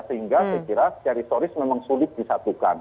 sehingga saya kira secara historis memang sulit disatukan